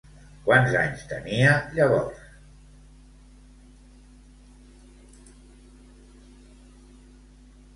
Quants anys tenia llavors?